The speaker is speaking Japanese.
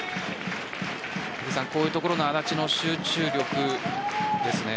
こういうところの安達の集中力ですね。